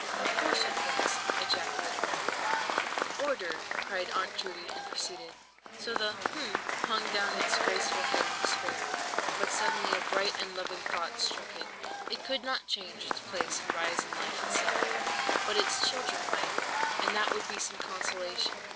"Of course it was!" ejaculated No. 5. "Order!" cried Aunt Judy, and proceeded:— "So the—hm—hung down its graceful head in despair, but suddenly a bright and loving thought struck it. It could not change its place and rise in life itself, but its children might, and that would be some consolation.